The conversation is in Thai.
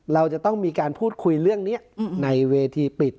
เราจะต้องมีการพูดคุยเรื่องนี้ในเวทีปิด